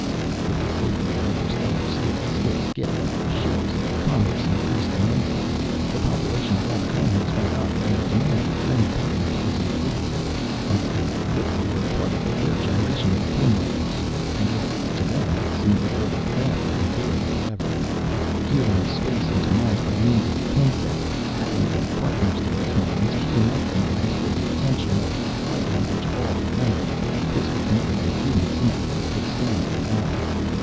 With the safety of the inter stellar skip, skip, skip of the ships, commerce increased immensely, the population of all the colonies went up, and the demand for trained Partners increased. Underhill and Woodley were a part of the third generation of pinlighters and yet, to them, it seemed as though their craft had endured forever. Gearing space into minds by means of the pin set, adding the Partners to those minds, keying up the mind for the tension of a fight on which all depended this was more than human synapses could stand for long.